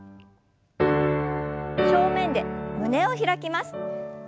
正面で胸を開きます。